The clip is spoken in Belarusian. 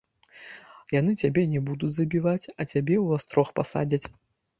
Яны цябе не будуць забіваць, а цябе ў астрог пасадзяць.